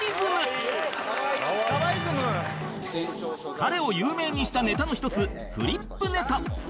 彼を有名にしたネタの一つフリップネタ